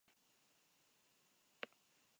Ambos figuran en el escudo de armas de la ciudad.